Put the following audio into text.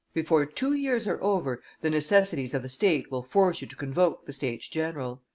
Before two years are over, the necessities of the state will force you to convoke the States general."